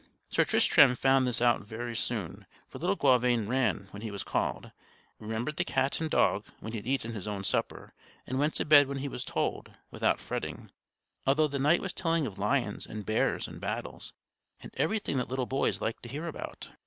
Sir Tristram found this out very soon, for little Gauvain ran when he was called, remembered the cat and dog when he had eaten his own supper, and went to bed when he was told, without fretting, although the knight was telling of lions and bears and battles, and everything that little boys like to hear about.